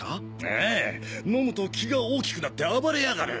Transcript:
ああ飲むと気が大きくなって暴れやがる。